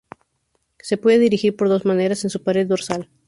Se puede dirigir por dos maneras en su pared dorsal.